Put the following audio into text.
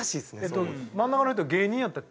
えっと真ん中の人芸人やったっけ？